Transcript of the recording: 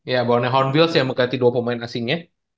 ya borneo hornbills yang mengganti dua pemain asingnya